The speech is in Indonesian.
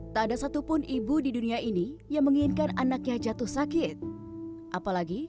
tak ada satupun ibu di dunia ini yang menginginkan anaknya jatuh sakit apalagi